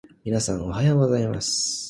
皆さん、おはようございます。